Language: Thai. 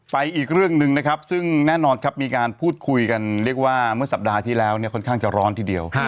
อีกเรื่องหนึ่งนะครับซึ่งแน่นอนครับมีการพูดคุยกันเรียกว่าเมื่อสัปดาห์ที่แล้วเนี่ยค่อนข้างจะร้อนทีเดียว